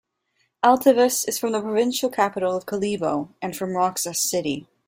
Altavas is from the provincial capital of Kalibo and from Roxas City.